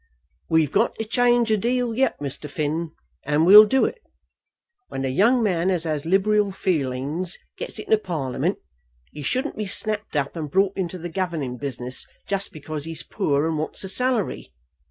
"We've got to change a deal yet, Mr. Finn, and we'll do it. When a young man as has liberal feelings gets into Parliament, he shouldn't be snapped up and brought into the governing business just because he's poor and wants a salary.